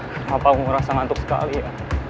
kenapa aku ngerasa ngantuk sekali ya